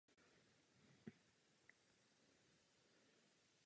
V období sucha vysychá a od května do července dochází k velkým povodním.